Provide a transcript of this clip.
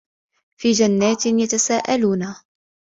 في جَنّاتٍ يَتَساءَلونَ